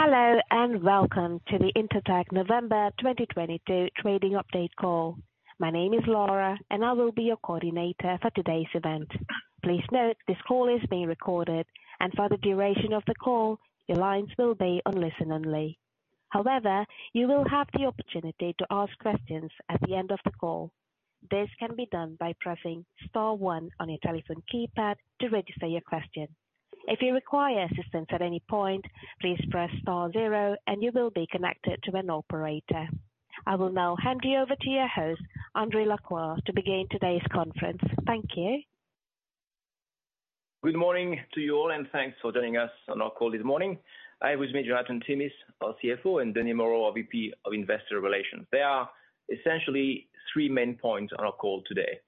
Hello, welcome to the Intertek November 2022 Trading Update Call. My name is Laura, and I will be your coordinator for today's event. Please note this call is being recorded, and for the duration of the call, your lines will be on listen-only. However, you will have the opportunity to ask questions at the end of the call. This can be done by pressing star one on your telephone keypad to register your question. If you require assistance at any point, please press star zero and you will be connected to an operator. I will now hand you over to your host, André Lacroix, to begin today's conference. Thank you. Good morning to you all, thanks for joining us on our call this morning. I am with me, Jonathan Timmis, our CFO, and Denis Moreau, our VP of Investor Relations. There are essentially three main points on our call today.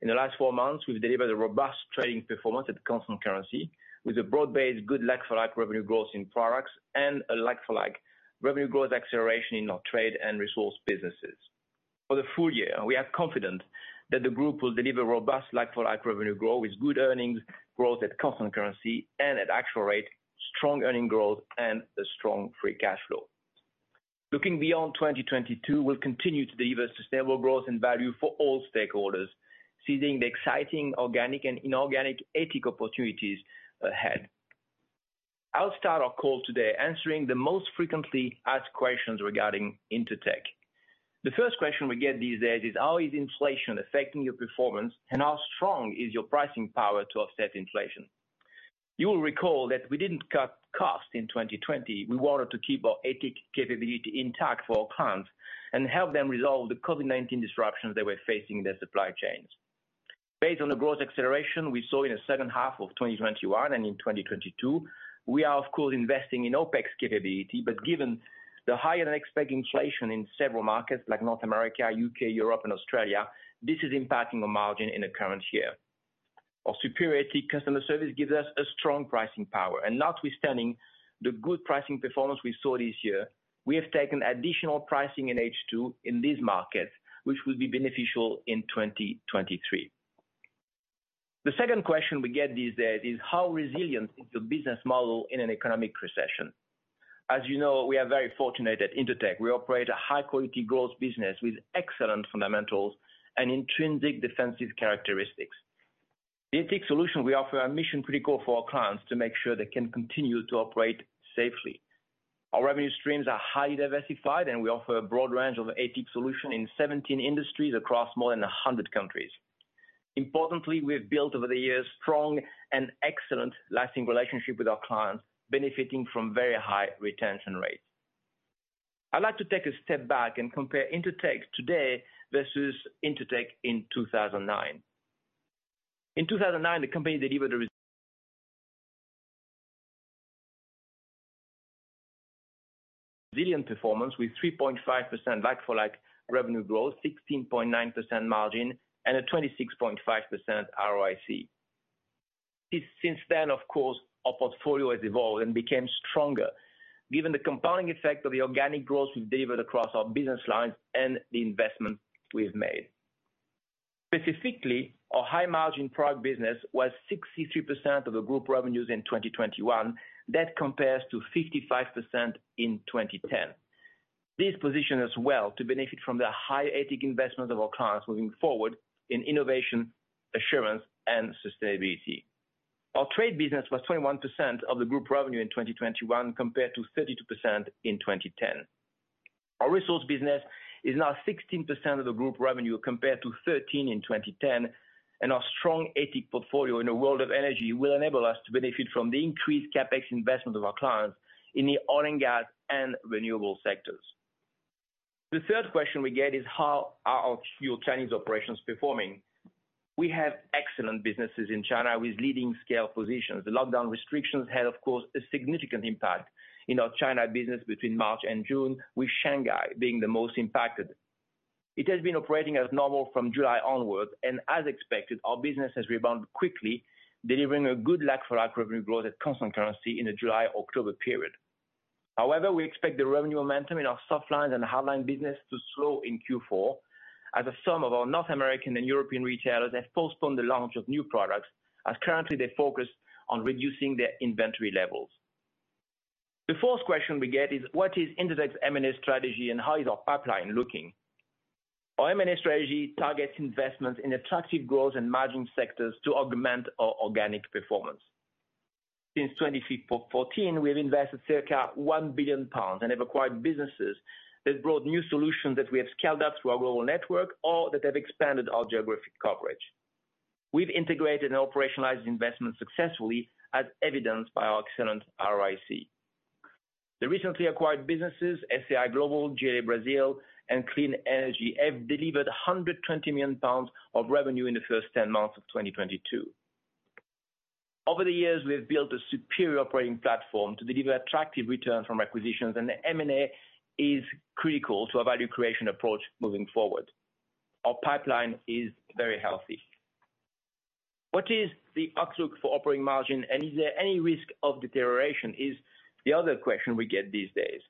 In the last four months, we've delivered a robust trading performance at constant currency with a broad-based good like-for-like revenue growth in products and a like-for-like revenue growth acceleration in our trade and resource businesses. For the full year, we are confident that the group will deliver robust like-for-like revenue growth with good earnings growth at constant currency and at actual rate, strong earnings growth and a strong free cash flow. Looking beyond 2022, we'll continue to deliver sustainable growth and value for all stakeholders, seizing the exciting organic and inorganic ATIC opportunities ahead. I'll start our call today answering the most frequently asked questions regarding Intertek. The first question we get these days is, how is inflation affecting your performance, and how strong is your pricing power to offset inflation? You will recall that we didn't cut costs in 2020. We wanted to keep our ATIC capability intact for our clients and help them resolve the COVID-19 disruptions they were facing in their supply chains. Based on the growth acceleration we saw in the second half of 2021 and in 2022, we are of course investing in OPEX capability. Given the higher than expected inflation in several markets like North America, U.K., Europe and Australia, this is impacting the margin in the current year. Our superiority customer service gives us a strong pricing power. Notwithstanding the good pricing performance we saw this year, we have taken additional pricing in H2 in these markets, which will be beneficial in 2023. The second question we get these days is, how resilient is your business model in an economic recession? As you know, we are very fortunate at Intertek. We operate a high-quality growth business with excellent fundamentals and intrinsic defensive characteristics. The ATIC Solution we offer are mission critical for our clients to make sure they can continue to operate safely. Our revenue streams are highly diversified, and we offer a broad range of ATIC Solution in 17 industries across more than 100 countries. Importantly, we have built over the years strong and excellent lasting relationship with our clients, benefiting from very high retention rates. I'd like to take a step back and compare Intertek today versus Intertek in 2009. In 2009, the company delivered a resilient performance with 3.5% like-for-like revenue growth, 16.9% margin, and a 26.5% ROIC. Since then, of course, our portfolio has evolved and became stronger, given the compounding effect of the organic growth we've delivered across our business lines and the investment we've made. Specifically, our high margin product business was 63% of the group revenues in 2021. That compares to 55% in 2010. This position as well to benefit from the high ATIC investment of our clients moving forward in innovation, assurance, and sustainability. Our trade business was 21% of the group revenue in 2021, compared to 32% in 2010. Our resource business is now 16% of the group revenue, compared to 13% in 2010, and our strong ATIC portfolio in the world of energy will enable us to benefit from the increased CapEx investment of our clients in the oil and gas and renewable sectors. The third question we get is, how are our few Chinese operations performing? We have excellent businesses in China with leading scale positions. The lockdown restrictions had, of course, a significant impact in our China business between March and June, with Shanghai being the most impacted. It has been operating as normal from July onwards, and as expected, our business has rebound quickly, delivering a good like-for-like revenue growth at constant currency in the July-October period. However, we expect the revenue momentum in our Softlines and Hardlines business to slow in Q4, as some of our North American and European retailers have postponed the launch of new products, as currently they focus on reducing their inventory levels. The fourth question we get is, what is Intertek's M&A strategy and how is our pipeline looking? Our M&A strategy targets investments in attractive growth and margin sectors to augment our organic performance. Since 2014, we have invested circa 1 billion pounds and have acquired businesses that brought new solutions that we have scaled up through our global network or that have expanded our geographic coverage. We've integrated and operationalized investment successfully as evidenced by our excellent ROIC. The recently acquired businesses, SAI Global, JLA Brasil, and Clean Energy, have delivered 120 million pounds of revenue in the first 10 months of 2022. Over the years, we've built a superior operating platform to deliver attractive returns from acquisitions, and the M&A is critical to our value creation approach moving forward. Our pipeline is very healthy. What is the outlook for operating margin and is there any risk of deterioration, is the other question we get these days.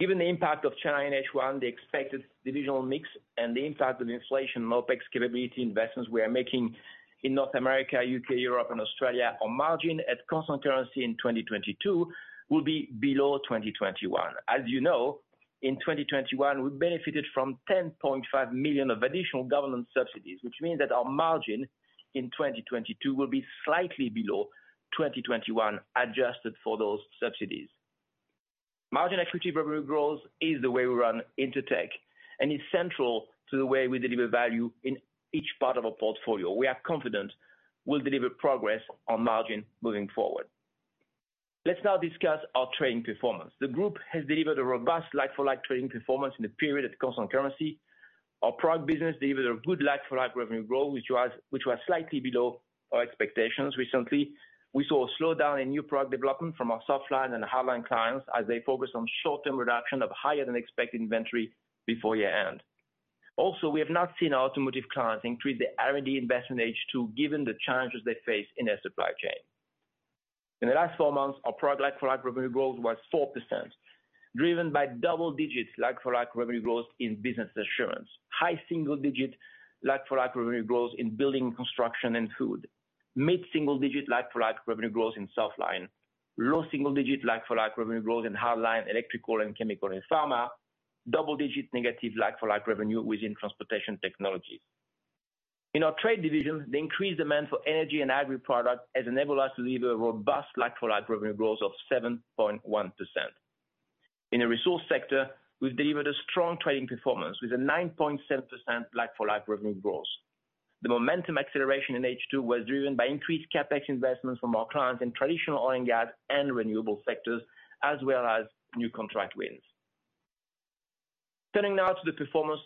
Given the impact of China in H1, the expected divisional mix and the impact of inflation, OpEx capability investments we are making in North America, U.K., Europe and Australia on margin at constant currency in 2022 will be below 2021. As you know, in 2021, we benefited from 10.5 million of additional government subsidies, which means that our margin in 2022 will be slightly below 2021, adjusted for those subsidies. Margin equity revenue growth is the way we run Intertek, and it's central to the way we deliver value in each part of our portfolio. We are confident we'll deliver progress on margin moving forward. Let's now discuss our trading performance. The group has delivered a robust like-for-like trading performance in the period at constant currency. Our product business delivered a good like-for-like revenue growth, which was slightly below our expectations recently. We saw a slowdown in new product development from our softline and hardline clients as they focus on short-term reduction of higher than expected inventory before year-end. We have not seen our automotive clients increase their R&D investment in H2, given the challenges they face in their supply chain. In the last four months, our product like-for-like revenue growth was 4%, driven by double digits like-for-like revenue growth in business assurance. High single-digit like-for-like revenue growth in Building & Construction and food. Mid-single digit like-for-like revenue growth in Softlines. Low single-digit like-for-like revenue growth in Hardlines, Electrical, and Chemicals & Pharmaceuticals. Double-digit negative like-for-like revenue within Transportation Technologies. In our trade divisions, the increased demand for energy and agri product has enabled us to deliver a robust like-for-like revenue growth of 7.1%. In the resource sector, we've delivered a strong trading performance with a 9.7% like-for-like revenue growth. The momentum acceleration in H2 was driven by increased CapEx investments from our clients in traditional oil and gas and renewable sectors, as well as new contract wins. Turning now to the performance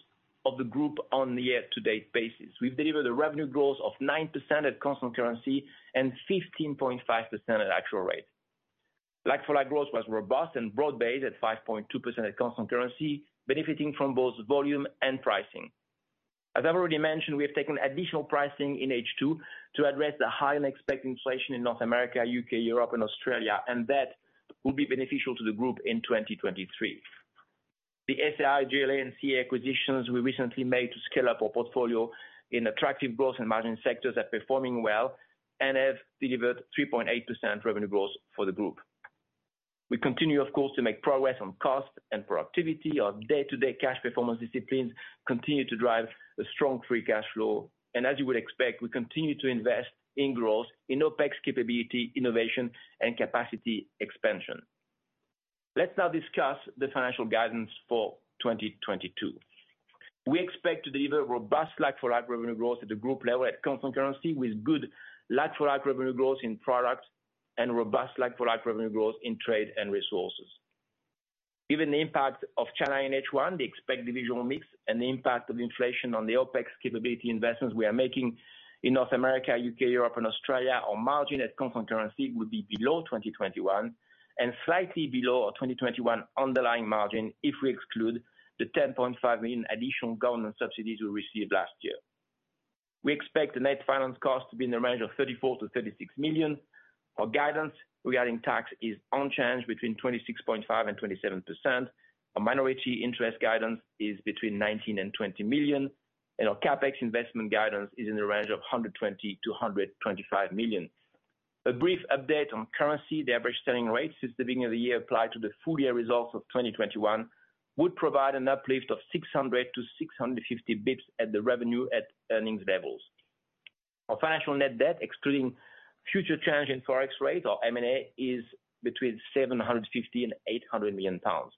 of the group on the year-to-date basis. We've delivered a revenue growth of 9% at constant currency and 15.5% at actual rate. Like-for-like growth was robust and broad-based at 5.2% at constant currency, benefiting from both volume and pricing. As I've already mentioned, we have taken additional pricing in H2 to address the higher than expected inflation in North America, U.K., Europe and Australia, that will be beneficial to the group in 2023. The SAI, JLA and CA acquisitions we recently made to scale up our portfolio in attractive growth and margin sectors are performing well and have delivered 3.8% revenue growth for the group. We continue, of course, to make progress on cost and productivity. Our day-to-day cash performance disciplines continue to drive a strong free cash flow. As you would expect, we continue to invest in growth, in OpEx capability, innovation and capacity expansion. Let's now discuss the financial guidance for 2022. We expect to deliver robust like-for-like revenue growth at the group level at constant currency, with good like-for-like revenue growth in products and robust like-for-like revenue growth in trade and resources. Given the impact of China in H1, the expected divisional mix and the impact of inflation on the OpEx capability investments we are making in North America, U.K., Europe and Australia, our margin at constant currency would be below 2021 and slightly below our 2021 underlying margin if we exclude the 10.5 million additional government subsidies we received last year. We expect the net finance cost to be in the range of 34 million to 36 million. Our guidance regarding tax is unchanged between 26.5% and 27%. Our minority interest guidance is between 19 million and 20 million. Our CapEx investment guidance is in the range of 120 million to 125 million. A brief update on currency. The average selling rate since the beginning of the year applied to the full year results of 2021 would provide an uplift of 600-650 basis points at the revenue at earnings levels. Our financial net debt, excluding future change in ForEx rates or M&A, is between 750 million and 800 million pounds.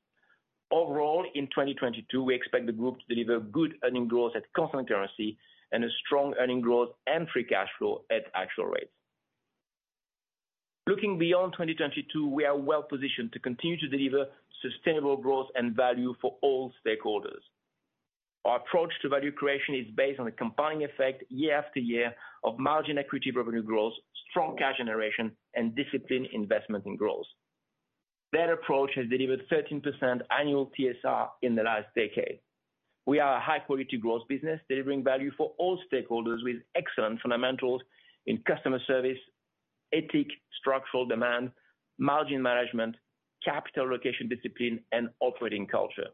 Overall, in 2022, we expect the group to deliver good earnings growth at constant currency and a strong earnings growth and free cash flow at actual rates. Looking beyond 2022, we are well-positioned to continue to deliver sustainable growth and value for all stakeholders. Our approach to value creation is based on the combining effect year after year of margin accretive revenue growth, strong cash generation and disciplined investment in growth. That approach has delivered 13% annual TSR in the last decade. We are a high-quality growth business, delivering value for all stakeholders with excellent fundamentals in customer service, ethic, structural demand, margin management, capital allocation discipline, and operating culture.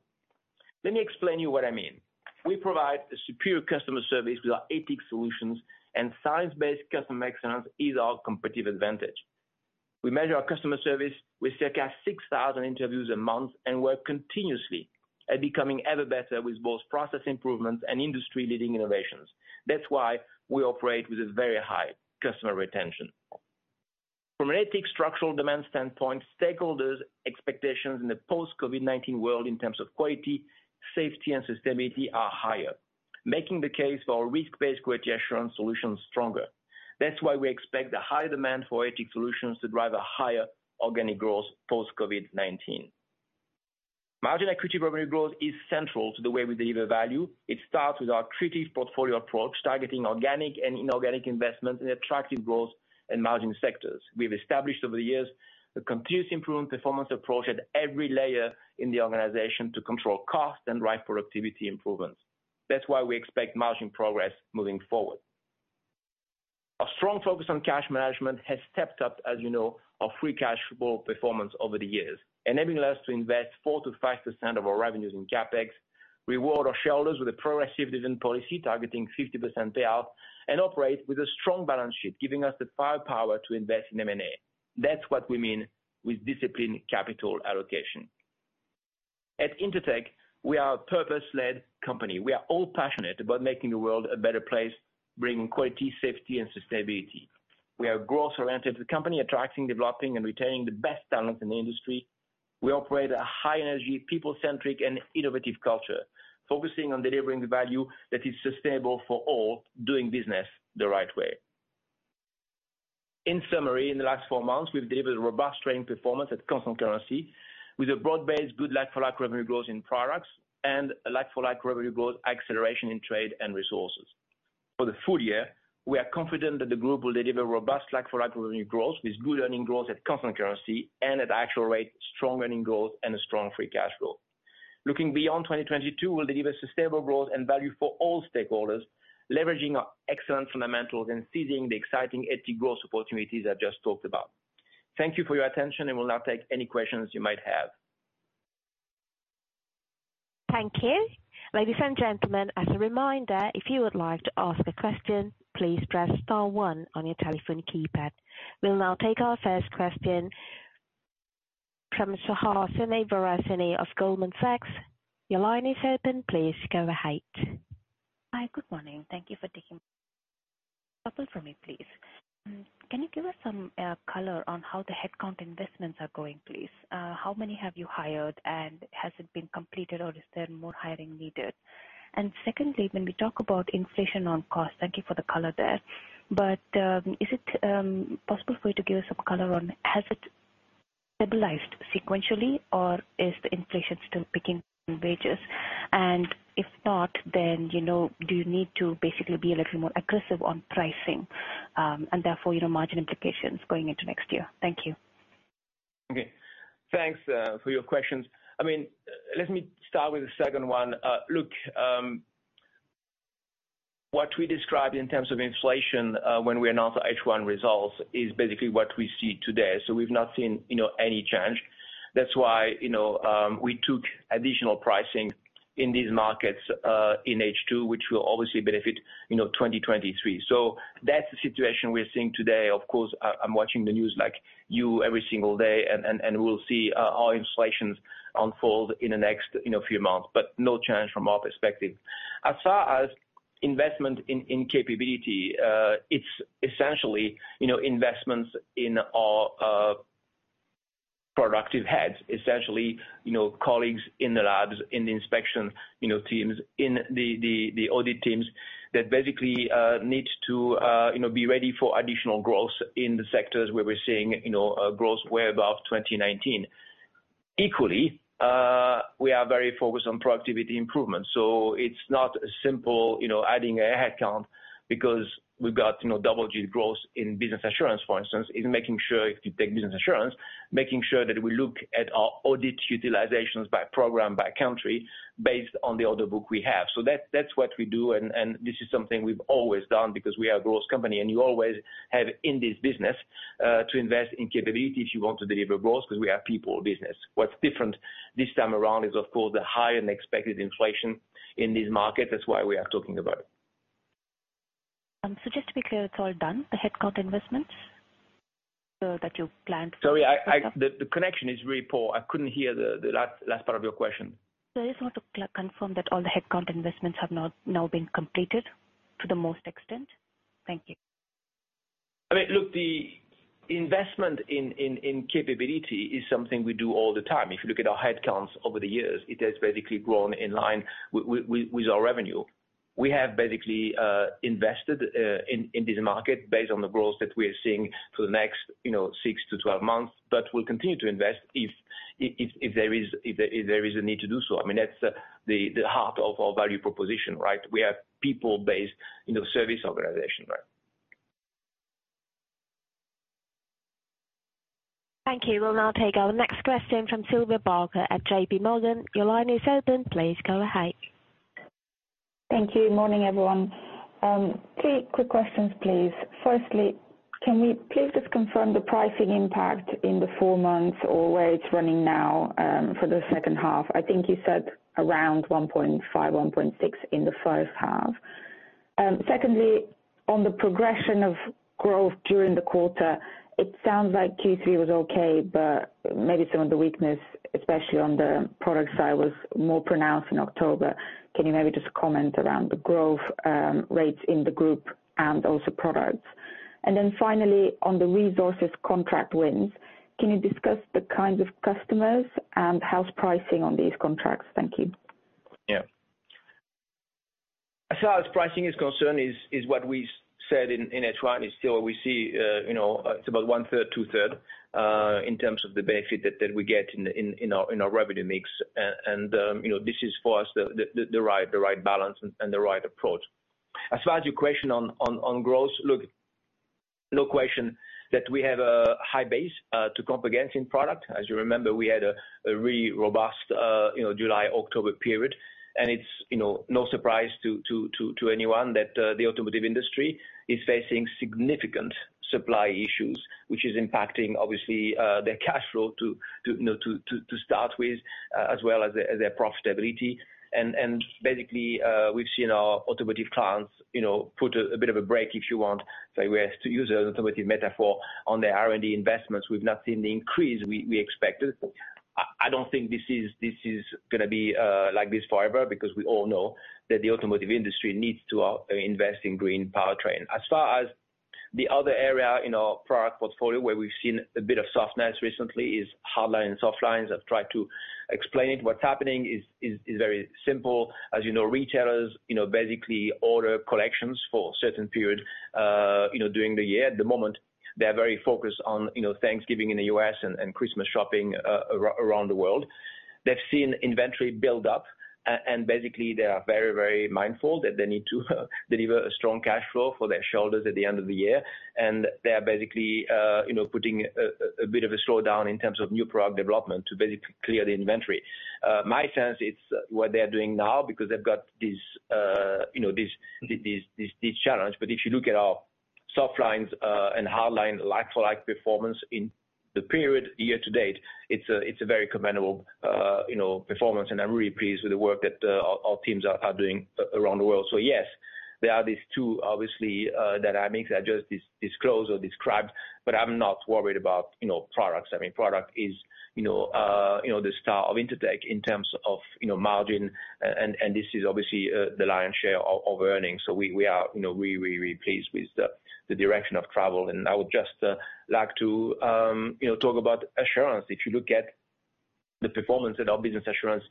Let me explain you what I mean. We provide a superior customer service with our Ethics solutions and science-based customer excellence is our competitive advantage. We measure our customer service with circa 6,000 interviews a month, and work continuously at becoming ever better with both process improvements and industry-leading innovations. That's why we operate with a very high customer retention. From an ATIC structural demand standpoint, stakeholders expectations in the post COVID-19 world in terms of quality, safety and sustainability are higher, making the case for our risk-based quality assurance solutions stronger. That's why we expect the high demand for ATIC Solutions to drive a higher organic growth post COVID-19. Margin accretive revenue growth is central to the way we deliver value. It starts with our creative portfolio approach, targeting organic and inorganic investments in attractive growth and margin sectors. We've established over the years a continuous improvement performance approach at every layer in the organization to control cost and drive productivity improvements. That's why we expect margin progress moving forward. Strong focus on cash management has stepped up, as you know, our free cash flow performance over the years, enabling us to invest 4%-5% of our revenues in CapEx. Reward our shareholders with a progressive dividend policy targeting 50% payout, operate with a strong balance sheet, giving us the firepower to invest in M&A. That's what we mean with disciplined capital allocation. At Intertek, we are a purpose-led company. We are all passionate about making the world a better place, bringing quality, safety, and sustainability. We are a growth-oriented company, attracting, developing, and retaining the best talent in the industry. We operate a high energy, people-centric and innovative culture, focusing on delivering the value that is sustainable for all doing business the right way. In summary, in the last four months, we've delivered a robust trading performance at constant currency with a broad-based good like-for-like revenue growth in products and a like-for-like revenue growth acceleration in trade and resources. For the full year, we are confident that the group will deliver robust like-for-like revenue growth with good earnings growth at constant currency and at actual rate, strong earnings growth and a strong free cash flow. Looking beyond 2022 will deliver sustainable growth and value for all stakeholders, leveraging our excellent fundamentals and seizing the exciting ethical growth opportunities I just talked about. Thank you for your attention. We'll now take any questions you might have. Thank you. Ladies and gentlemen, as a reminder, if you would like to ask a question, please press star one on your telephone keypad. We'll now take our first question from Suhasini Varanasi of Goldman Sachs. Your line is open. Please go ahead. Hi. Good morning. Couple for me, please. Can you give us some color on how the headcount investments are going, please? How many have you hired, and has it been completed, or is there more hiring needed? Secondly, when we talk about inflation on cost, thank you for the color there, but is it possible for you to give us some color on has it stabilized sequentially, or is the inflation still picking wages? If not do you need to basically be a little more aggressive on pricing, and therefore, margin implications going into next year? Thank you. Okay. Thanks for your questions. I mean, let me start with the second one. Look, what we described in terms of inflation, when we announced our H1 results is basically what we see today. We've not seen any change. That's why we took additional pricing in these markets in H2, which will obviously benefit 2023. That's the situation we're seeing today. Of course, I'm watching the news like you every single day, and we'll see how inflations unfold in the next few months, but no change from our perspective. As far as investment in capability, it's essentially investments in our productive heads, essentially colleagues in the labs, in the inspection teams, in the audit teams that basically need to be ready for additional growth in the sectors where we're seeing growth way above 2019. Equally, we are very focused on productivity improvement, so it's not a simple adding a headcount because we've got double-digit growth in Business Assurance, for instance, is making sure if you take Business Assurance, making sure that we look at our audit utilizations by program, by country based on the order book we have. That's what we do, and this is something we've always done because we are a growth company, and you always have in this business to invest in capability if you want to deliver growth, because we are a people business. What's different this time around is, of course, the higher than expected inflation in this market. That's why we are talking about it. Just to be clear, it's all done, the headcount investments, that you planned? Sorry, I, the connection is very poor. I couldn't hear the last part of your question. I just want to confirm that all the headcount investments have now been completed to the most extent. Thank you. I mean, look, the investment in capability is something we do all the time. If you look at our headcounts over the years, it has basically grown in line with our revenue. We have basically invested in this market based on the growth that we're seeing for the next, you know, 6 to 12 months. We'll continue to invest if there is a need to do so. I mean, that's the heart of our value proposition, right? We are people-based, you know, service organization, right? Thank you. We'll now take our next question from Sylvia Barker at JPMorgan. Your line is open. Please go ahead. Thank you. Morning, everyone. Two quick questions, please. Firstly, can we please just confirm the pricing impact in the four months or where it's running now for the second half? I think you said around 1.5%, 1.6% in the first half. Secondly, on the progression of growth during the quarter, it sounds like Q3 was okay, but maybe some of the weakness, especially on the product side, was more pronounced in October. Can you maybe just comment around the growth rates in the group and also products? Finally, on the resources contract wins, can you discuss the kinds of customers and how's pricing on these contracts? Thank you. As far as pricing is concerned, is what we said in H1, is still we see it's about 1/3, 2/3 in terms of the benefit that we get in our revenue mix. This is for us, the right balance and the right approach. As far as your question on growth, No question that we have a high base to comp against in product. As you remember, we had a really robust July-October period, and it's no surprise to anyone that the automotive industry is facing significant supply issues, which is impacting obviously, their cash flow to start with, as well as their profitability. Basically, we've seen our automotive clients, put a bit of a break if you want. We have to use an automotive metaphor on their R&D investments. We've not seen the increase we expected. I don't think this is gonna be like this forever because we all know that the automotive industry needs to invest in green powertrains. As far as the other area in our product portfolio where we've seen a bit of softness recently is Hardlines, Softlines. I've tried to explain it. What's happening is very simple. As you know, retailers, basically order collections for a certain period during the year. At the moment, they're very focused on Thanksgiving in the U.S. and Christmas shopping around the world. They've seen inventory build up, basically they are very, very mindful that they need to deliver a strong cash flow for their shoulders at the end of the year. They're basically putting a bit of a slowdown in terms of new product development to clear the inventory. My sense it's what they're doing now because they've got this this challenge. If you look at our Softlines and Hardlines like-for-like performance in the period year-to-date, it's a very commendable, you know, performance and I'm really pleased with the work that our teams are doing around the world. Yes, there are these two obviously dynamics I just disclosed or described, but I'm not worried about products. I mean product is the star of Intertek in terms of margin and this is obviously, the lion's share of earnings. We are really pleased with the direction of travel. I would just like to talk about assurance. If you look at the performance that our Business Assurance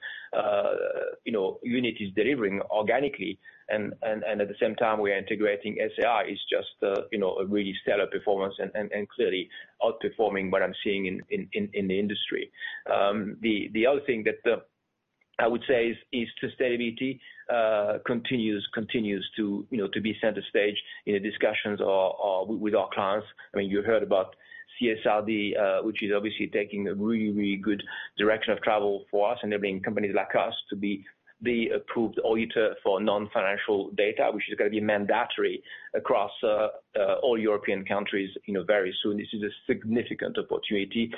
unit is delivering organically and at the same time we are integrating SAI is just a really stellar performance and clearly outperforming what I'm seeing in the industry. The other thing that I would say is sustainability, continues to be center stage in discussions or with our clients. You heard about CSRD, which is obviously taking a really, really good direction of travel for us, enabling companies like us to be the approved auditor for non-financial data, which is gonna be mandatory across all European countries very soon. This is a significant opportunity,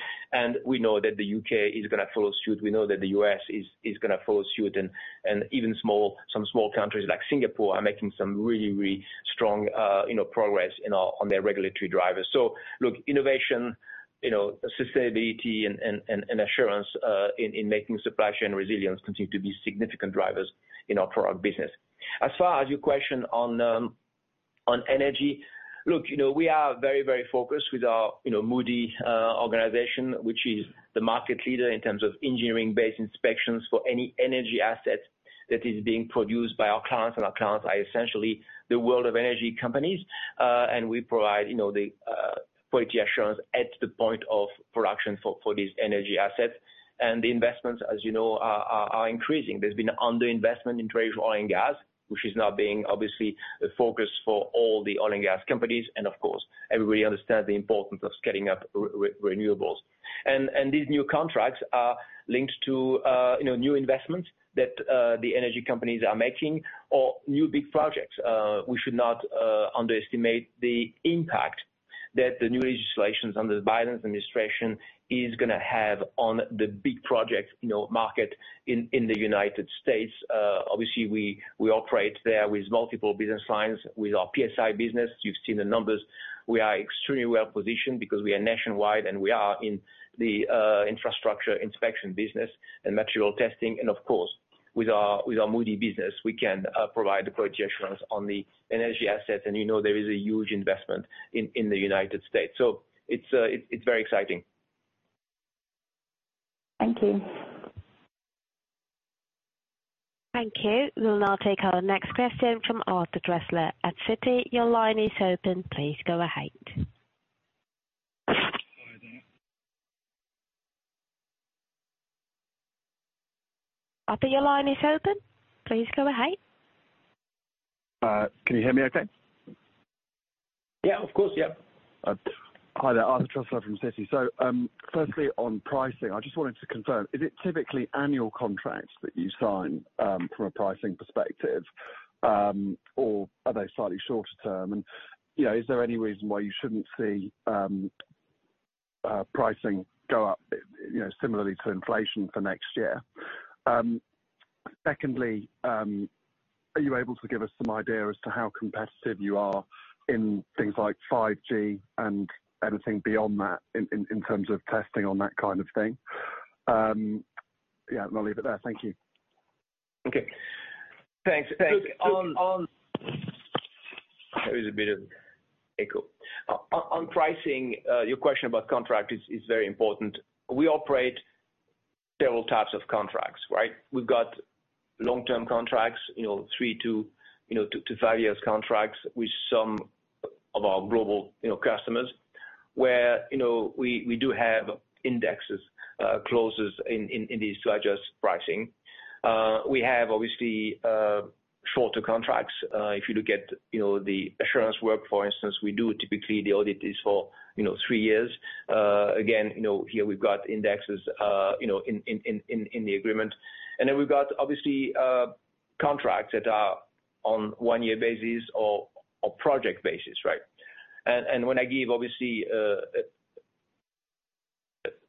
we know that the U.K. is gonna follow suit. We know that the U.S. is gonna follow suit and even some small countries like Singapore are making some really, really strong progress on their regulatory drivers. Look, innovation sustainability and assurance in making supply chain resilience continue to be significant drivers for our business. As far as your question on energy. Look, we are very, very focused with our Moody organization, which is the market leader in terms of engineering-based inspections for any energy asset that is being produced by our clients. Our clients are essentially the world of energy companies. We provide the quality assurance at the point of production for these energy assets. The investments, as you know, are increasing. There's been underinvestment in traditional oil and gas, which is now being obviously a focus for all the oil and gas companies. Of course, everybody understands the importance of scaling up renewables. These new contracts are linked to new investments that the energy companies are making or new big projects. We should not underestimate the impact that the new legislations under the Biden administration is gonna have on the big project, you know, market in the United States. Obviously we operate there with multiple business lines with our PSI business. You've seen the numbers. We are extremely well positioned because we are nationwide and we are in the infrastructure inspection business and material testing and of course with our Moody business we can provide the quality assurance on the energy assets and, you know, there is a huge investment in the United States. It's very exciting. Thank you. Thank you. We'll now take our next question from Arthur Truslove at Citi. Your line is open. Please go ahead. Hi there. Arthur, your line is open. Please go ahead. Can you hear me okay? Of course. Hi there, Arthur Truslove from Citi. Firstly on pricing, I just wanted to confirm, is it typically annual contracts that you sign from a pricing perspective, or are they slightly shorter term? You know, is there any reason why you shouldn't see pricing go up, you know, similarly to inflation for next year? Secondly, are you able to give us some idea as to how competitive you are in things like 5G and anything beyond that in terms of testing on that kind of thing? I'll leave it there. Thank you. Okay, thanks. Thanks. There is a bit of echo. On pricing, your question about contract is very important. We operate several types of contracts, right? We've got long-term contracts 3-5 years contracts with some of our global customers. Where we do have indexes, closes in these to adjust pricing. We have obviously shorter contracts. If you look at the assurance work, for instance, we do typically the audit is for 3 years. Again, here we've got indexes, you know, in the agreement. We've got obviously contracts that are on 1-year basis or project basis, right? When I give obviously,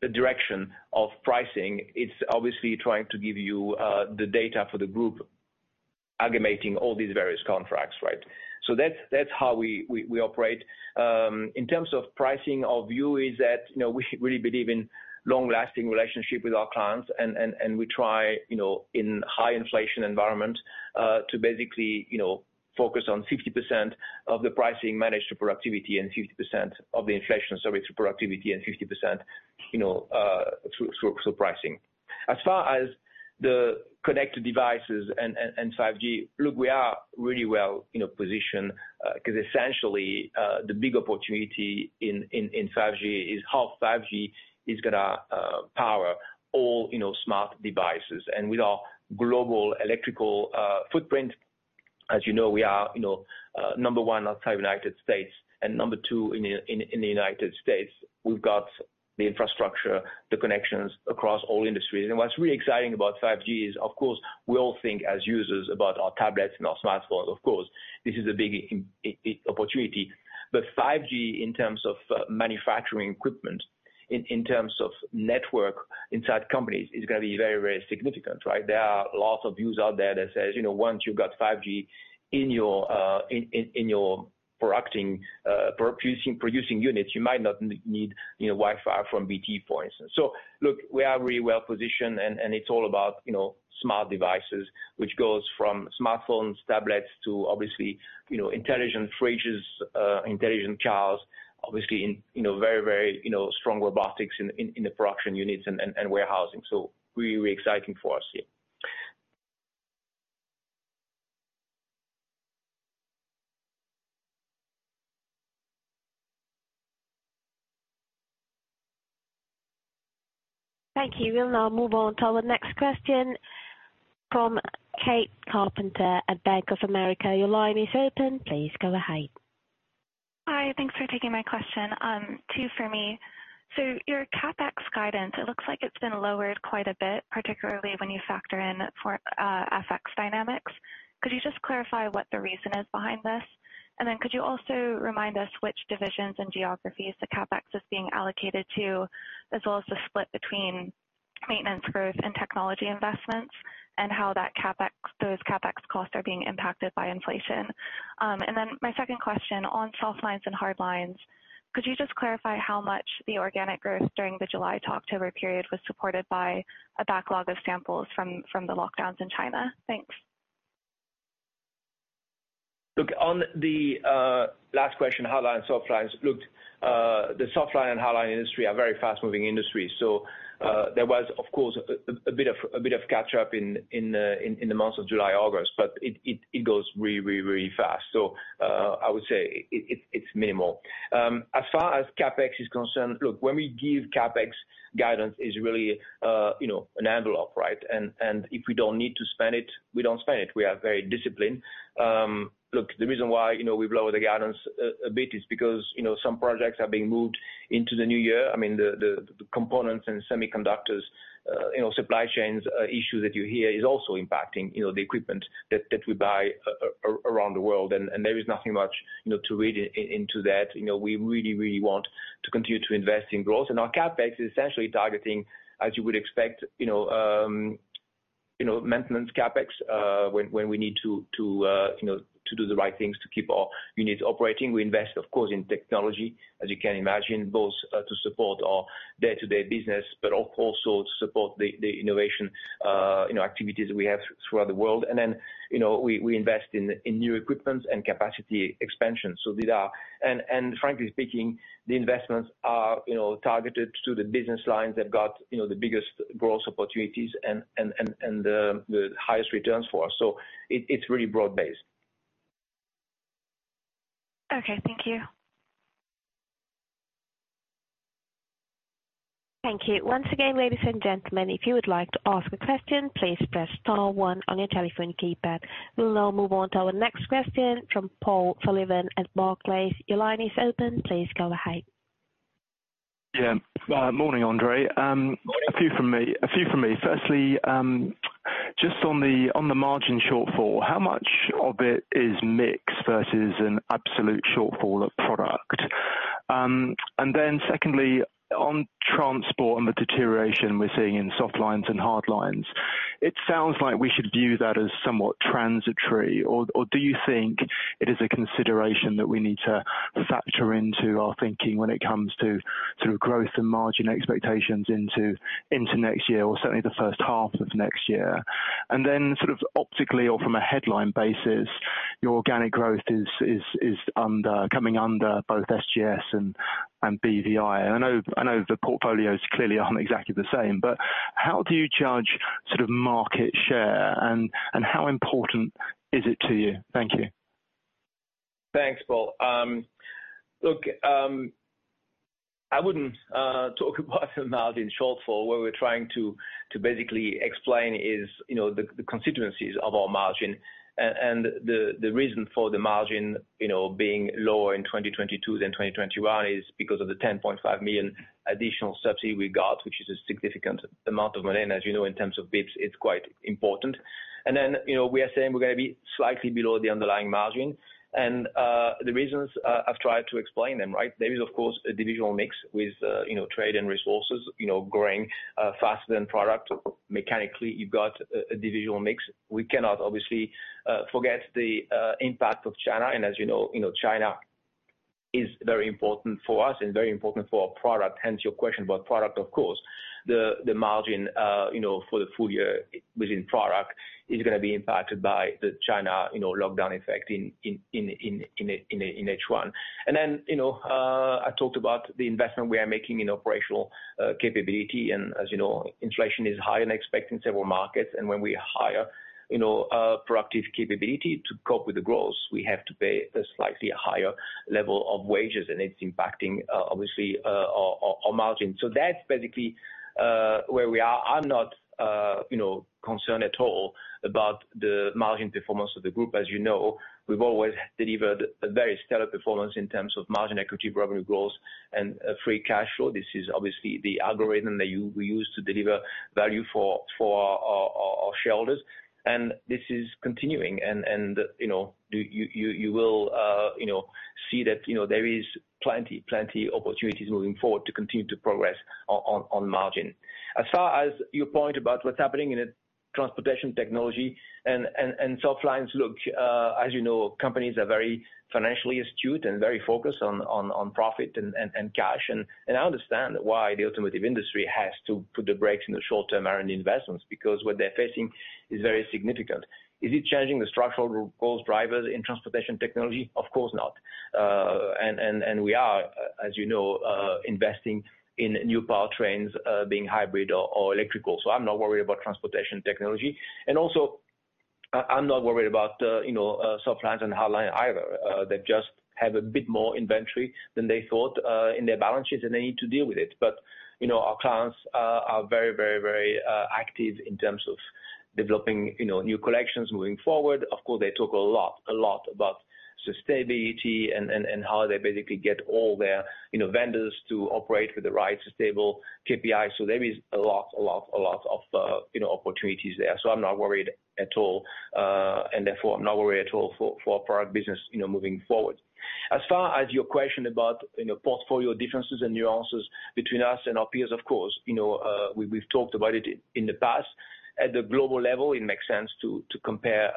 a direction of pricing, it's obviously trying to give you the data for the group aggregating all these various contracts, right? That's how we operate. In terms of pricing, our view is that, you know, we really believe in long-lasting relationship with our clients. We try in high inflation environment, to basically focus on 60% of the pricing managed to productivity and 50% of the inflation to productivity and 50% through pricing. As far as the connected devices and 5G, look, we are really well-positioned, 'cause essentially, the big opportunity in 5G is how 5G is gonna power all smart devices. With our global electrical footprint, we are one outside United States and two in the United States. We've got the infrastructure, the connections across all industries. What's really exciting about 5G is, of course, we all think as users about our tablets and our smartphones. Of course, this is a big opportunity. 5G in terms of manufacturing equipment, in terms of network inside companies is going to be very, very significant, right? There are lots of views out there that says once you've got 5G in your producing units, you might not need Wi-Fi from BT, for instance. Look, we are really well positioned and it's all about smart devices, which goes from smartphones, tablets to obviously, intelligent fridges, intelligent cars, obviously in very, very strong robotics in the production units and, and warehousing. Really exciting for us here. Thank you. We'll now move on to our next question from Kate Carpenter at Bank of America. Your line is open. Please go ahead. Hi. Thanks for taking my question. Two for me. Your CapEx guidance, it looks like it's been lowered quite a bit, particularly when you factor in for FX dynamics. Could you just clarify what the reason is behind this? Then could you also remind us which divisions and geographies the CapEx is being allocated to, as well as the split between maintenance growth and technology investments and how that CapEx costs are being impacted by inflation? Then my second question on Softlines and Hardlines, could you just clarify how much the organic growth during the July to October period was supported by a backlog of samples from the lockdowns in China? Thanks. Look, on the last question, Hardlines, Softlines. Look, the Softlines and Hardlines industry are very fast-moving industries. There was of course a bit of catch-up in the months of July, August, but it goes really fast. I would say it's minimal. As far as CapEx is concerned, look, when we give CapEx guidance is really an envelope, right? If we don't need to spend it, we don't spend it. We are very disciplined. Look, the reason why we've lowered the guidance a bit is because some projects are being moved into the new year. I mean, the components and semiconductors supply chains, issue that you hear is also impacting the equipment that we buy around the world. There is nothing much to read into that. You know, we really want to continue to invest in growth. Our CapEx is essentially targeting, as you would expect maintenance CapEx, when we need to do the right things to keep our units operating. We invest, of course, in technology, as you can imagine, both to support our day-to-day business, but also to support the innovation activities we have throughout the world. You know, we invest in new equipment and capacity expansion. Frankly speaking, the investments are targeted to the business lines that got the biggest growth opportunities and the highest returns for us. It's really broad-based. Okay. Thank you. Thank you. Once again, ladies and gentlemen, if you would like to ask a question, please press star one on your telephone keypad. We'll now move on to our next question from Paul Sullivan at Barclays. Your line is open. Please go ahead. Morning, André. A few from me. Firstly, just on the margin shortfall, how much of it is mix versus an absolute shortfall of product? Secondly, on transport and the deterioration we're seeing in Softlines and Hardlines, it sounds like we should view that as somewhat transitory or do you think it is a consideration that we need to factor into our thinking when it comes to sort of growth and margin expectations into next year or certainly the first half of next year? Then optically or from a headline basis, your organic growth is coming under both SGS and BVI. I know the portfolios clearly aren't exactly the same, how do you judge sort of market share and how important is it to you? Thank you. Thanks, Paul. Look, I wouldn't talk about the margin shortfall. What we're trying to basically explain is the constituencies of our margin and the reason for the margin being lower in 2022 than 2021 is because of the 10.5 million additional subsidy we got, which is a significant amount of money. As you know, in terms of BIPS, it's quite important. You know, we are saying we're gonna be slightly below the underlying margin. The reasons I've tried to explain them, right? There is of course a divisional mix with Trade and Resources growing faster than Product. Mechanically, you've got a divisional mix. We cannot obviously forget the impact of China. China is very important for us and very important for our product, hence your question about product, of course. The margin for the full-year within product is gonna be impacted by the China lockdown effect in H1. Then I talked about the investment we are making in operational capability. As you know, inflation is higher than expected in several markets. When we hire productive capability to cope with the growth, we have to pay a slightly higher level of wages, and it's impacting, obviously, our margin. That's basically where we are. I'm not concerned at all about the margin performance of the group. As you know, we've always delivered a very stellar performance in terms of margin equity, revenue growth, and free cash flow. This is obviously the algorithm that we use to deliver value for our shareholders. This is continuing. You will see that there is plenty opportunities moving forward to continue to progress on margin. As far as your point about what's happening in Transportation Technologies and Softlines, look, as you know, companies are very financially astute and very focused on profit and cash. I understand why the automotive industry has to put the brakes on the short-term R&D investments because what they're facing is very significant. Is it changing the structural growth drivers in Transportation Technologies? Of course not. We are, as you know, investing in new powertrains, being hybrid or electrical. I'm not worried about Transportation Technologies. I'm not worried about Softlines and Hardlines either. They just have a bit more inventory than they thought in their balances, and they need to deal with it. Our clients are very, very, very active in terms of developing new collections moving forward. Of course, they talk a lot about sustainability and how they basically get all their, you know, vendors to operate with the right sustainable KPI. There is a lot of opportunities there. I'm not worried at all. Therefore, I'm not worried at all for our product business moving forward. As far as your question about portfolio differences and nuances between us and our peers, of course, we've talked about it in the past. At the global level, it makes sense to compare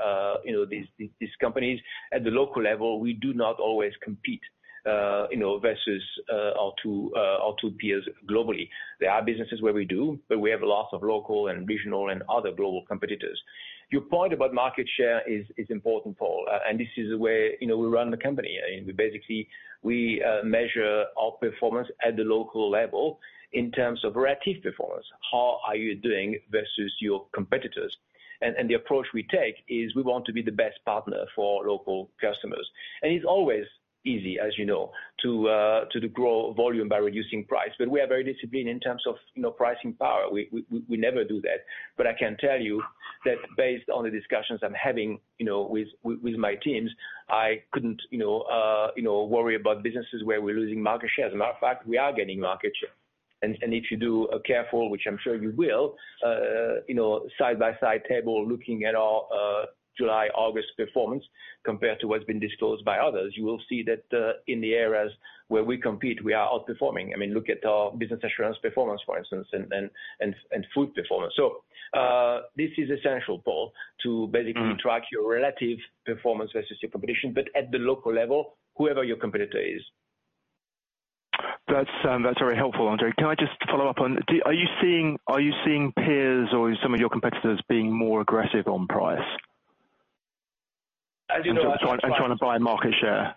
these companies. At the local level, we do not always compete versus our two peers globally. There are businesses where we do, but we have lots of local and regional and other global competitors. Your point about market share is important, Paul, this is the way we run the company. I mean, we basically measure our performance at the local level in terms of relative performance. How are you doing versus your competitors? The approach we take is we want to be the best partner for local customers. It's always easy, as you know, to grow volume by reducing price. We are very disciplined in terms of pricing power. We never do that. I can tell you that based on the discussions I'm having with my teams, I couldn't worry about businesses where we're losing market share. As a matter of fact, we are gaining market share. If you do a careful, which I'm sure you will side-by-side table looking at our July/August performance compared to what's been disclosed by others, you will see that in the areas where we compete, we are outperforming. I mean, look at our Business Assurance performance, for instance, and food performance. This is essential, Paul to track your relative performance versus your competition, but at the local level, whoever your competitor is. That's very helpful, André. Can I just follow up, are you seeing peers or some of your competitors being more aggressive on price trying to buy market share?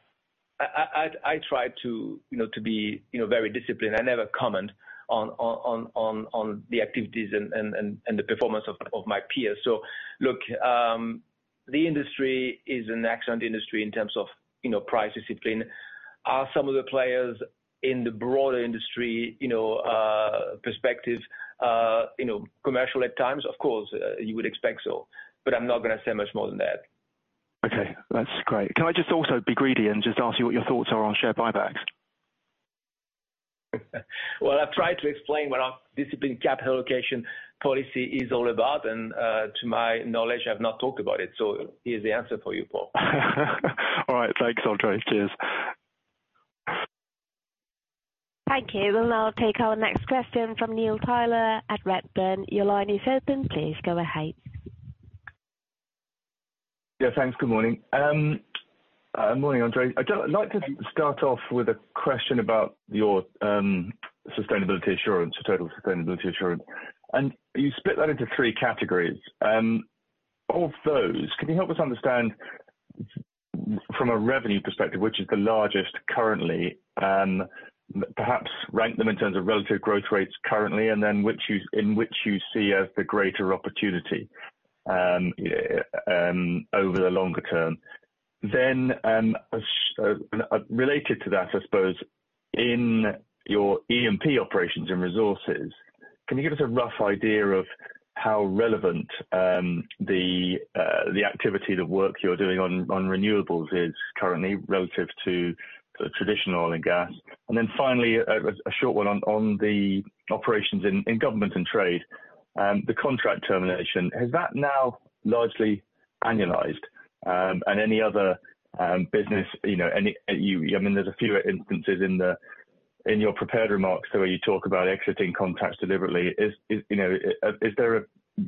I try to be very disciplined. I never comment on the activities and the performance of my peers. Look, the industry is an excellent industry in terms of price discipline. Are some of the players in the broader industry perspective commercial at times? Of course, you would expect so. I'm not gonna say much more than that. Okay, that's great. Can I just also be greedy and just ask you what your thoughts are on share buybacks? I've tried to explain what our disciplined capital allocation policy is all about, and to my knowledge, I've not talked about it, so here's the answer for you, Paul. All right. Thanks, André. Cheers. Thank you. We'll now take our next question from Neil Tyler at Redburn. Your line is open. Please go ahead. Thanks. Good morning. Morning, André. I'd like to start off with a question about your sustainability insurance, Total Sustainability Assurance. You split that into three categories. Of those, can you help us understand from a revenue perspective, which is the largest currently, perhaps rank them in terms of relative growth rates currently, and then in which you see as the greater opportunity? Over the longer term, related to that, I suppose, in your E&P operations and resources, can you give us a rough idea of how relevant, the activity, the work you're doing on renewables is currently relative to traditional oil and gas? Finally, a short one on the operations in government and trade, the contract termination. Has that now largely annualized, and any other business, you know, I mean, there's a few instances in your prepared remarks where you talk about exiting contracts deliberately. Is, you know, is there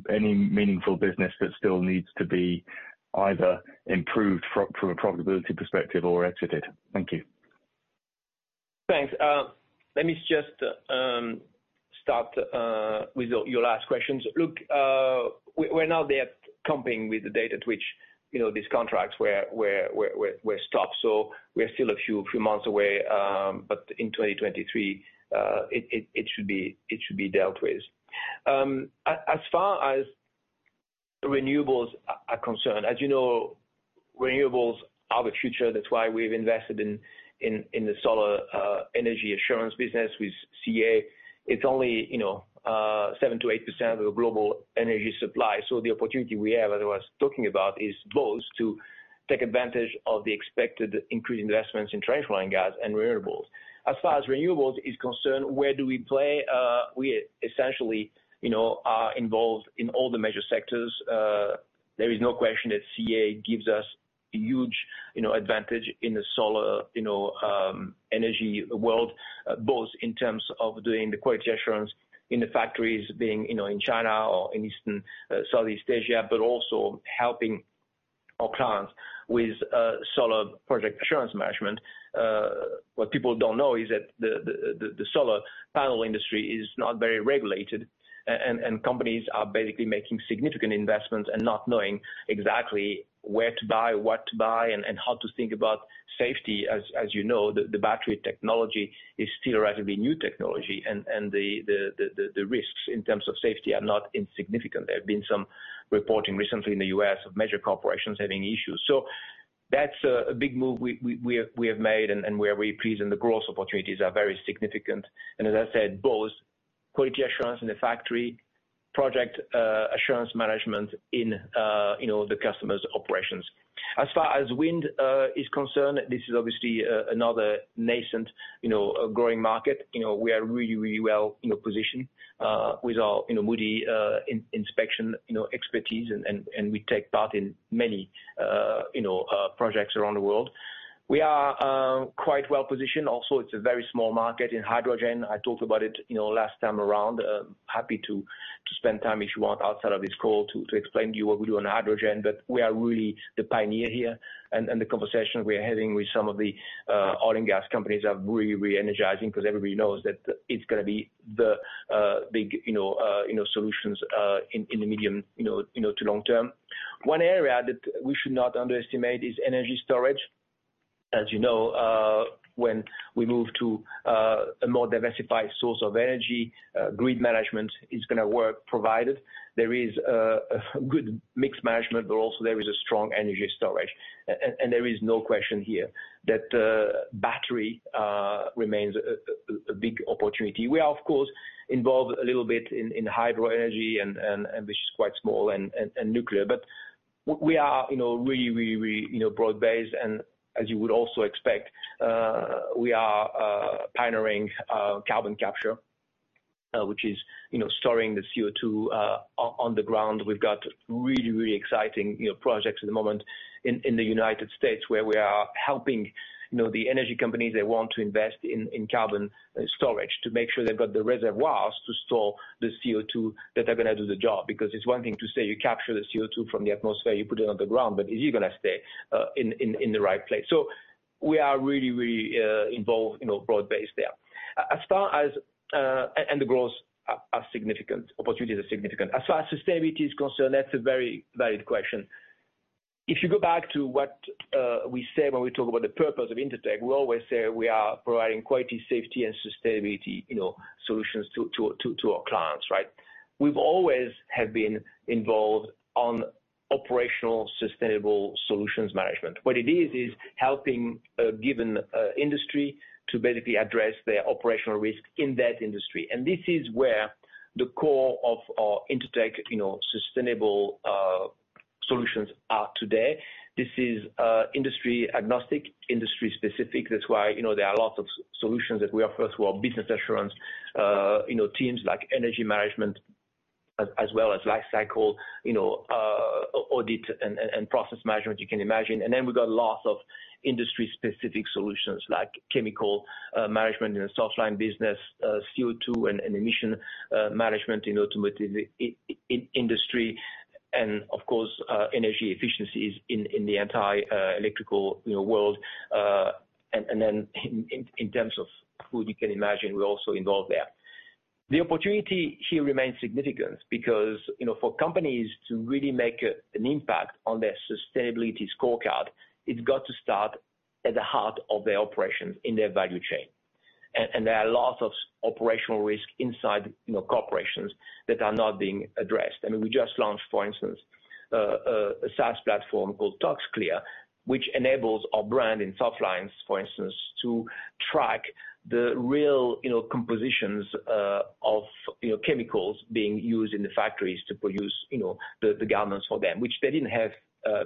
any meaningful business that still needs to be either improved from a profitability perspective or exited? Thank you. Thanks. Let me just start with your last questions. Look, we're now there comping with the data at which, you know, these contracts were stopped, so we're still a few months away, but in 2023, it should be dealt with. As far as renewables are concerned, as you know, renewables are the future. That's why we've invested in the solar energy assurance business with CA. It's only 7%-8% of the global energy supply. The opportunity we have, as I was talking about, is both to take advantage of the expected increased investments in traditional oil and gas and renewables. As far as renewables is concerned, where do we play? We essentially are involved in all the major sectors. There is no question that CA gives us a huge advantage in the solar energy world, both in terms of doing the quality assurance in the factories being in China or in Eastern, Southeast Asia, but also helping our clients with solar project assurance management. What people don't know is that the solar panel industry is not very regulated, and companies are basically making significant investments and not knowing exactly where to buy, what to buy, and how to think about safety. As you know, the battery technology is still relatively new technology, and the risks in terms of safety are not insignificant. There have been some reports recently in the U.S. of major corporations having issues. That's a big move we have made, and we are really pleased. The growth opportunities are very significant. As I said, both quality assurance in the factory and project, assurance management in the customer's operations. As far as wind is concerned, this is obviously another nascent, growing market. We are really well-positioned with our Moody inspection, you know, expertise, and we take part in many projects around the world. We are quite well-positioned. It's a very small market in hydrogen. I talked about it last time around. Happy to spend time if you want outside of this call to explain to you what we do on hydrogen. We are really the pioneer here and the conversations we are having with some of the oil and gas companies are really, really energizing because everybody knows that it's gonna be the big solutions in the medium to long term. One area that we should not underestimate is energy storage. As you know, when we move to a more diversified source of energy, grid management is gonna work, provided there is a good mixed management, but also there is a strong energy storage. There is no question here that battery remains a big opportunity. We are of course, involved a little bit in hydro energy and which is quite small, and nuclear. We are really broad-based. As you would also expect, we are pioneering carbon capture, which is storing the CO2 on the ground. We've got really exciting projects at the moment in the United States where we are helping the energy companies that want to invest in carbon storage to make sure they've got the reservoirs to store the CO2, that they're gonna do the job. It's one thing to say you capture the CO2 from the atmosphere, you put it on the ground, but is it gonna stay in the right place? We are really, really involved broad-based there. As far as the growth are significant. Opportunities are significant. As far as sustainability is concerned, that's a very valid question. If you go back to what we say when we talk about the purpose of Intertek, we always say we are providing quality, safety, and Sustainability solutions to our clients, right? We've always have been involved on Operational Sustainable Solutions management. What it is helping a given industry to basically address their operational risk in that industry. This is where the core of our Intertek Sustainable Solutions are today. This is industry agnostic, industry specific. That's why there are a lot of solutions that we offer through our Business Assurance, you know, teams like energy management, as well as lifecycle audit and process management, you can imagine. We've got lots of industry-specific solutions like chemical management in a Softlines business, CO2 and emission management in automotive industry and of course, energy efficiencies in the entire Electrical world. In terms of food, you can imagine we're also involved there. The opportunity here remains significant because for companies to really make a, an impact on their sustainability scorecard, it's got to start at the heart of their operations in their value chain. There are lots of operational risk inside corporations that are not being addressed. I mean, we just launched, for instance, a SaaS platform called ToxClear, which enables our brand in Softlines, for instance, to track the rea compositions of chemicals being used in the factories to produce the garments for them, which they didn't have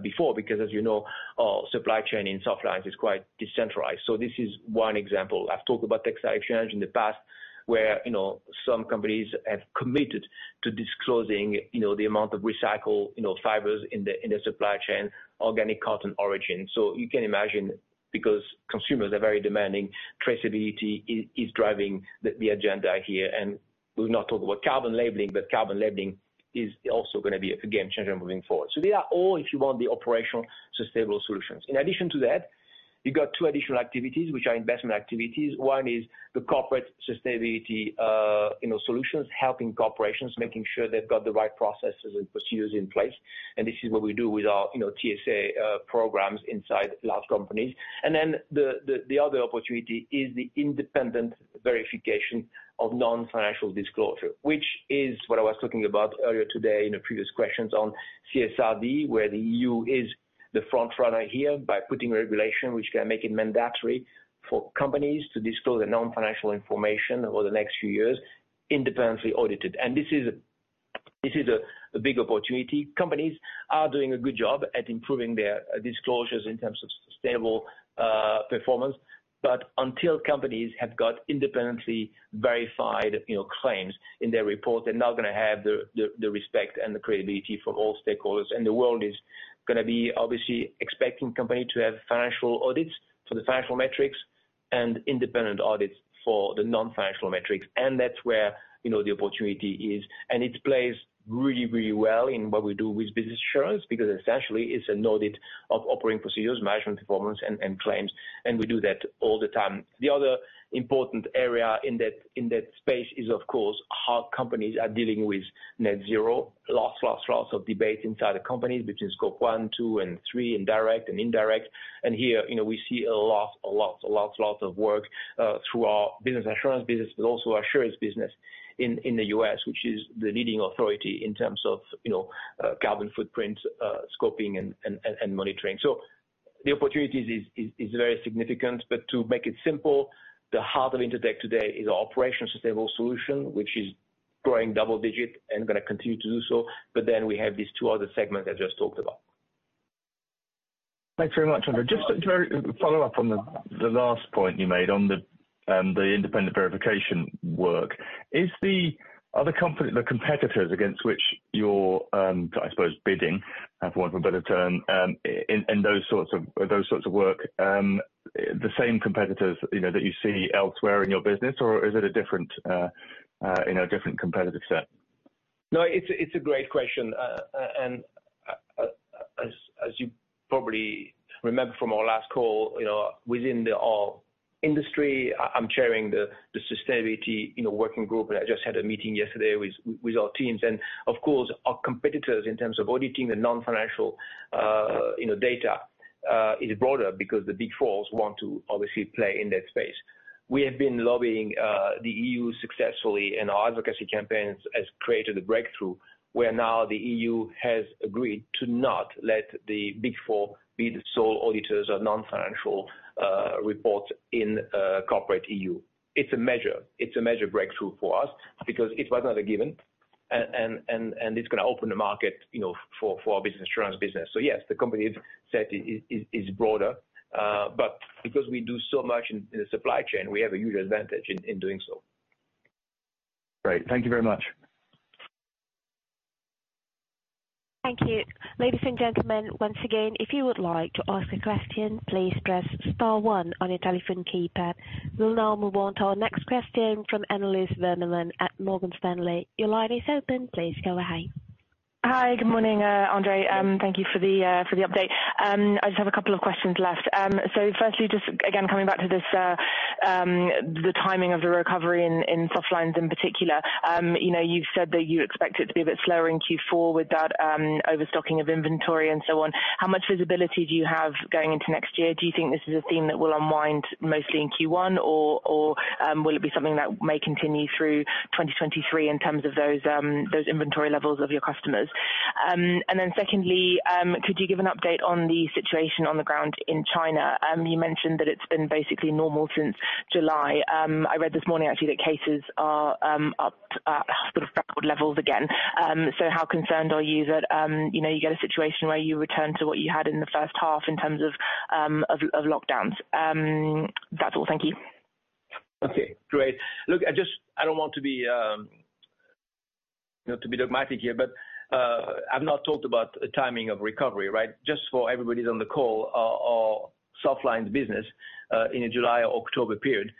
before, because our supply chain in Softlines is quite decentralized. This is one example. I've talked about Textile Exchange in the past, where some companies have committed to disclosing the amount of recycled fibers in the supply chain, organic cotton origin. You can imagine, because consumers are very demanding, traceability is driving the agenda here. We've not talked about carbon labeling, but carbon labeling is also gonna be, again, changing moving forward. They are all, if you want, the Operational Sustainable Solutions. In addition to that, you've got two additional activities which are investment activities. One is the Corporate Sustainability Solutions, helping corporations, making sure they've got the right processes and procedures in place. This is what we do with our TSA programs inside large companies. The other opportunity is the independent verification of non-financial disclosure, which is what I was talking about earlier today in the previous questions on CSRD, where the EU is the front runner here by putting regulation, which can make it mandatory for companies to disclose their non-financial information over the next few years, independently audited. This is a big opportunity. Companies are doing a good job at improving their disclosures in terms of sustainable performance. Until companies have got independently verified, you know, claims in their report, they're not gonna have the respect and the credibility from all stakeholders. The world is gonna be obviously expecting company to have financial audits for the financial metrics and independent audits for the non-financial metrics. That's where, you know, the opportunity is. It plays really, really well in what we do with Business Assurance, because essentially, it's an audit of operating procedures, management performance, and claims, and we do that all the time. The other important area in that space is, of course, how companies are dealing with net zero. Lots of debate inside the companies between Scope 1, 2, and 3, and direct and indirect. Here, you know, we see a lot of work through our Business Assurance business, but also our assurance business in the U.S., which is the leading authority in terms of, you know, carbon footprint, scoping and monitoring. The opportunities is very significant. To make it simple, the heart of Intertek today is our Operational Sustainable Solution, which is growing double-digit and gonna continue to do so. We have these two other segments I just talked about. Thanks very much, André. Just to follow up on the last point you made on the independent verification work. Is the competitors against which you're, I suppose, bidding, for want of a better term, in those sorts of work, the same competitors, you know, that you see elsewhere in your business? Or is it a different competitive set? No, it's a great question. As you probably remember from our last call, you know, within our industry, I'm chairing the sustainability, you know, working group, and I just had a meeting yesterday with our teams. Of course, our competitors in terms of auditing the non-financial, you know, data is broader because the Big Four want to obviously play in that space. We have been lobbying the EU successfully, and our advocacy campaigns has created a breakthrough, where now the EU has agreed to not let the Big Four be the sole auditors of non-financial reports in corporate EU. It's a major breakthrough for us because it was not a given. It's gonna open the market, you know, for our Business Assurance business. Yes, the company set is broader. Because we do so much in the supply chain, we have a huge advantage in doing so. Great. Thank you very much. Thank you. Ladies and gentlemen, once again, if you would like to ask a question, please press star one on your telephone keypad. We'll now move on to our next question from Annelies Vermeulen at Morgan Stanley. Your line is open. Please go ahead. Hi. Good morning, André. Thank you for the update. I just have a couple of questions left. Firstly, just again coming back to this, the timing of the recovery in Softlines in particular. You know, you've said that you expect it to be a bit slower in Q4 with that overstocking of inventory and so on. How much visibility do you have going into next year? Do you think this is a theme that will unwind mostly in Q1, or will it be something that may continue through 2023 in terms of those inventory levels of your customers? Secondly, could you give an update on the situation on the ground in China? You mentioned that it's been basically normal since July. I read this morning actually that cases are up at sort of record levels again. How concerned are you that, you know, you get a situation where you return to what you had in the first half in terms of lockdowns? That's all. Thank you. Okay. Great. Look, I don't want to be dogmatic here, but I've not talked about the timing of recovery, right? Just for everybody's on the call, our Softlines business in the July-October period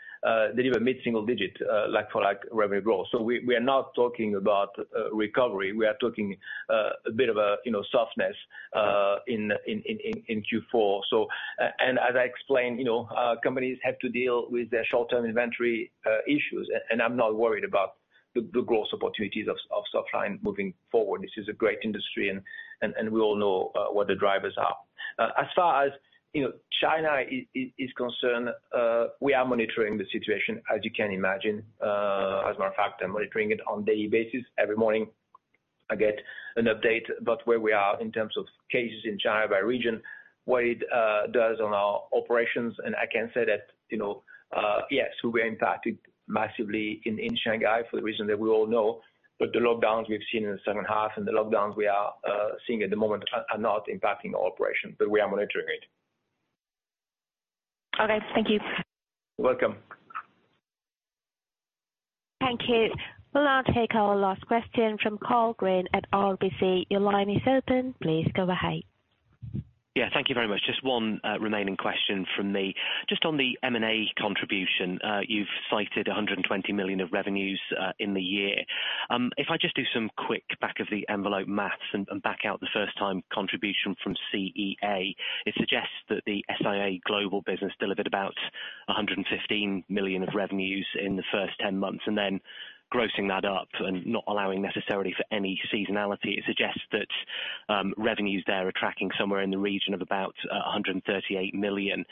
delivered mid-single digit like-for-like revenue growth. We, we are not talking about recovery. We are talking a bit of a softness in Q4. And as I explained companies have to deal with their short-term inventory issues, and I'm not worried about the growth opportunities of Softlines moving forward. This is a great industry and we all know what the drivers are. As far as, you know, China is concerned, we are monitoring the situation, as you can imagine. As a matter of fact, I'm monitoring it on daily basis. Every morning I get an update about where we are in terms of cases in China by region, what it does on our operations. I can say that, you know, yes, we were impacted massively in Shanghai for the reason that we all know. The lockdowns we've seen in the second half and the lockdowns we are seeing at the moment are not impacting our operation, but we are monitoring it. Okay. Thank you. You're welcome. Thank you. We'll now take our last question from Karl Green at RBC. Your line is open. Please go ahead. Thank you very much. Just one remaining question from me. Just on the M&A contribution, you've cited 120 million of revenues in the year. If I just do some quick back of the envelope maths and back out the first time contribution from CEA, it suggests that the SAI Global business delivered about 115 million of revenues in the first 10 months. Grossing that up and not allowing necessarily for any seasonality, it suggests that revenues there are tracking somewhere in the region of about 138 million.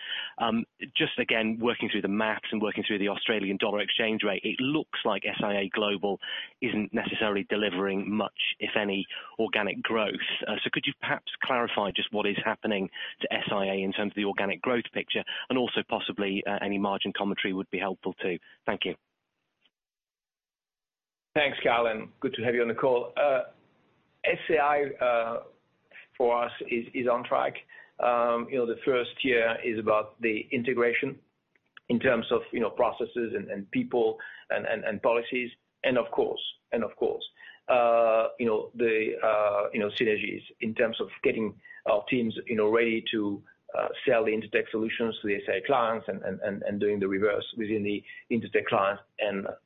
Just again, working through the maths and working through the Australian dollar exchange rate, it looks like SAI Global isn't necessarily delivering much, if any, organic growth. Could you perhaps clarify just what is happening to SAI Global in terms of the organic growth picture, and also possibly, any margin commentary would be helpful too. Thank you. Thanks, Karl, and good to have you on the call. SAI for us is on track. You know, the first year is about the integration in terms of, you know, processes and people and policies and of course, and of course, you know, the synergies in terms of getting our teams, you know, ready to sell the Intertek Solutions to the SAI clients and doing the reverse within the Intertek clients.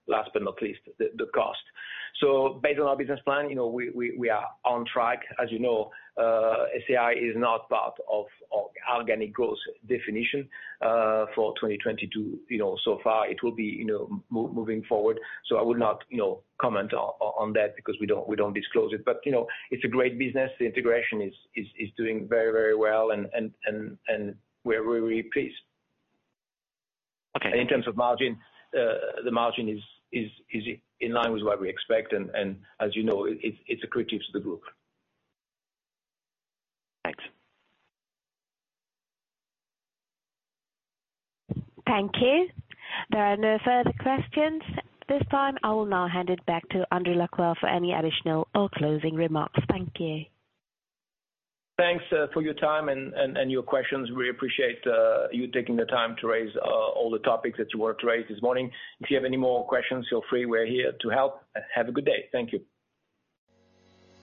Last but not least, the cost. Based on our business plan, you know, we are on track. As you know, SAI is not part of organic growth definition for 2022, you know, so far. It will be, you know, moving forward. I will not, you know, comment on that because we don't disclose it. You know, it's a great business. The integration is doing very, very well and we're very pleased. Okay. In terms of margin, the margin is in line with what we expect, and as you know, it's accretive to the group. Thanks. Thank you. There are no further questions at this time. I will now hand it back to André Lacroix for any additional or closing remarks. Thank you. Thanks for your time and your questions. We appreciate, you taking the time to raise all the topics that you wanted to raise this morning. If you have any more questions, feel free. We're here to help. Have a good day. Thank you.